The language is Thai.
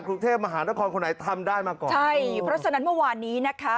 กรุงเทพมหานครคนไหนทำได้มาก่อนใช่เพราะฉะนั้นเมื่อวานนี้นะคะ